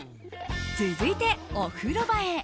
続いて、お風呂場へ。